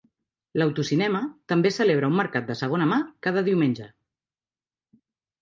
L'autocinema també celebra un mercat de segona mà cada diumenge.